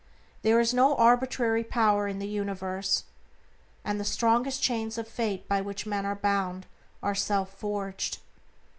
There is no arbitrary power in the universe, and the strongest chains of fate by which men are bound are self forged.